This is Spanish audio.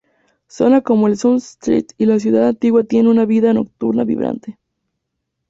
Zonas como el South Street y la ciudad antigua tienen una vida nocturna vibrante.